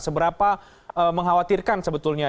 seberapa mengkhawatirkan sebetulnya